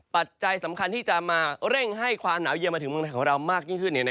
ปัจจัยสำคัญที่จะมาเร่งให้ความหนาวเย็นมาถึงเมืองไทยของเรามากยิ่งขึ้น